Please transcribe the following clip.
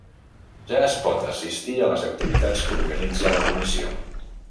Ja es pot assistir a les activitats que organitza la comissió.